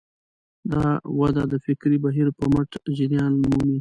دا وده د فکري بهیر په مټ جریان مومي.